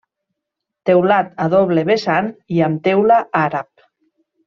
Teulat a doble vessant i amb teula àrab.